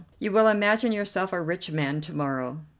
You will imagine yourself a rich man to morrow."